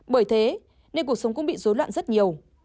bởi thế nên cuộc sống cũng bị dối loạn rất nhiều